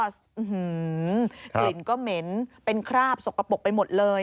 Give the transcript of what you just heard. กลิ่นก็เหม็นเป็นคราบสกปรกไปหมดเลย